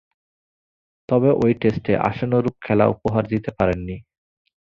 তবে ঐ টেস্টে আশানুরূপ খেলা উপহার দিতে পারেননি।